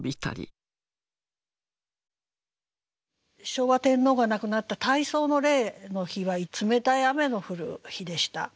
昭和天皇が亡くなった大喪の礼の日は冷たい雨の降る日でした。